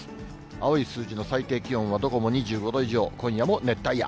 青い数字の最低気温はどこも２５度以上、今夜も熱帯夜。